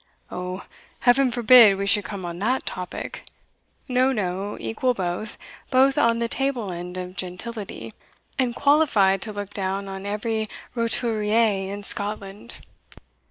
"O, Heaven forbid we should come on that topic! No, no, equal both both on the table land of gentility, and qualified to look down on every roturier in Scotland."